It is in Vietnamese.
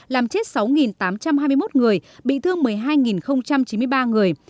làm chết sáu tám trăm hai mươi một người bị thương một mươi hai chín mươi ba người